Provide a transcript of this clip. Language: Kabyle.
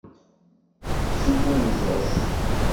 Tefsi twenza-s.